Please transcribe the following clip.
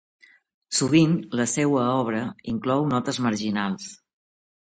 Sovint la seua obra inclou notes marginals.